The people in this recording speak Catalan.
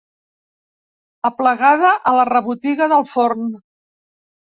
Aplegada a la rebotiga del forn.